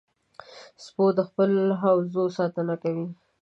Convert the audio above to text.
سپو د خپلو حوزو ساتنه کوي.